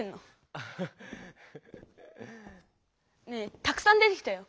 アハッ！ねぇたくさん出てきたよ！